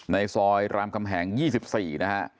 ในซอยรามคำแหง๒๔นะฮะ